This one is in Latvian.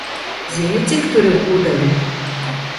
Zini, cik tur ir pudeļu?